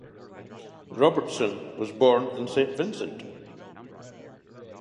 Robertson was born in Saint Vincent.